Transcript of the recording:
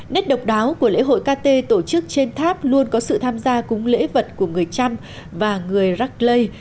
nét độc đáo của lễ hội kt tổ chức trên tháp luôn có sự tham gia cúng lễ vật của người trăm và người rắc lây